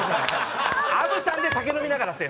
あぶさんで酒飲みながらせえ！